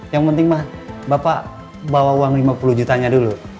yang penting mah bapak bawa uang lima puluh jutanya dulu